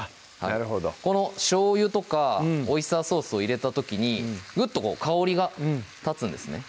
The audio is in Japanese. なるほどこのしょうゆとかオイスターソースを入れた時にぐっと香りが立つんですね